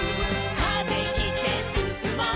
「風切ってすすもう」